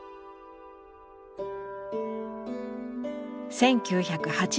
１９８２年帰国。